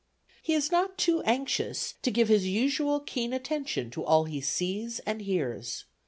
He is not too anxious to give his usual keen attention to all he sees and hears.